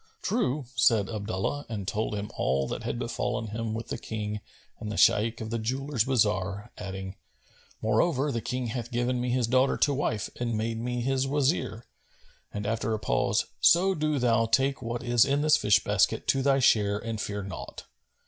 "True," said Abdullah and told him all that had befallen him with the King and the Shaykh of the jewellers' bazar, adding "Moreover, the King hath given me his daughter to wife and made me his Wazir;" and, after a pause, "So do thou take what is in this fish basket to thy share and fear naught."